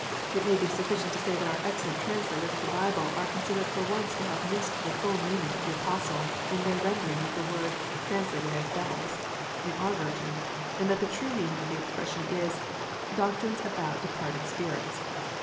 It may be sufficient to say that our excellent translators of the Bible are considered for once to have missed the full meaning of the Apostle, in their rendering of the word translated as " devils " in our version, and that the true meaning of the expression is, " doctrines about departed spirits."